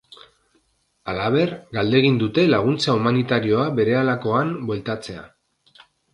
Halaber, galdegin dute laguntza humanitarioa berehalakoan bueltatzea.